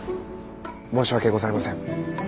申し訳ございません。